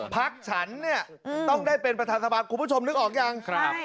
พักฉันเนี่ยต้องได้เป็นประธานสภาคุณผู้ชมนึกออกยัง